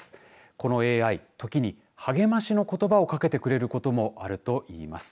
このＡＩ時に励ましのことばをかけてくれることもあるといいます。